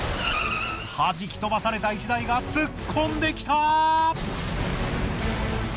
弾き飛ばされた１台が突っ込んできた！